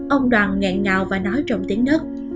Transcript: ông đoàn ngẹn ngào và nói trong tiếng nước